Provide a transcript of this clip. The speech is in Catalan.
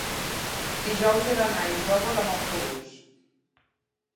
dijous he d'anar a Isòvol amb autobús.